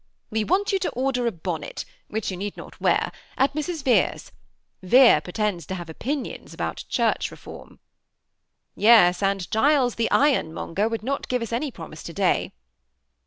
We Want you: to order a bonnet, which you need not wear, at Mrs. Yere's. Vere pretends to have opinions about Church reform."* Tes, and Criles the ironmonger would not give as any promise to day."